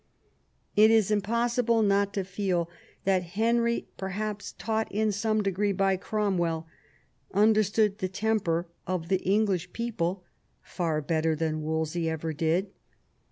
It is impossible not to feel that Henry, perhaps taught in some degree by Cromwell, understood the temper of the English people far better than Wolsey aver did.